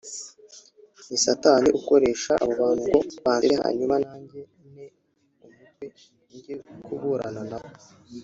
ni satani ukoresha abo bantu ngo bansebye hanyuma nanjye nte umutwe njye kuburana na bo